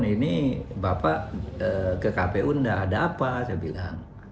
ini bapak ke kpu tidak ada apa saya bilang